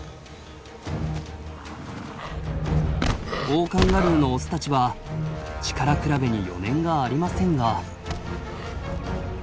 オオカンガルーのオスたちは力比べに余念がありませんが。